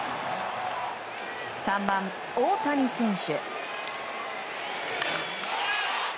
３番、大谷選手。